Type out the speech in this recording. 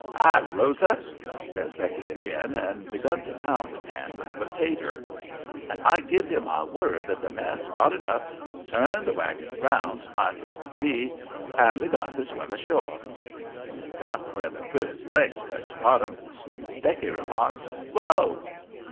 "Hi, Rosa!" says Becky again, and begun to pound the pan with the potater. And I give you my word that that mare started up, turned the wagon around nice as could be, and begun to swim ashore. When we got where the critter's legs touched bottom, Becky remarks: "Whoa!"